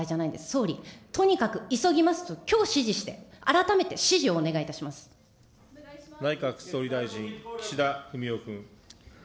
総理、とにかく急ぎますときょう指示して、改めて指示をお願いい内閣総理大臣、岸田文雄君。